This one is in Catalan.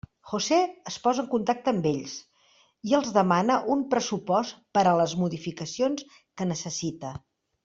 José es posa en contacte amb ells, i els demana un pressupost per a les modificacions que necessita.